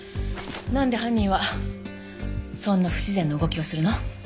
なんで犯人はそんな不自然な動きをするの？